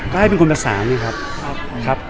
ก็ให้เป็นคนประสานสิครับ